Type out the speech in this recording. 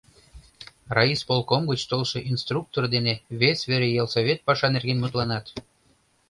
Райисполком гыч толшо инструктор дене вес вере ялсовет паша нерген мутланат.